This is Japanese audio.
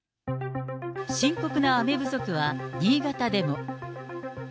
深刻な雨不足は、新潟でも。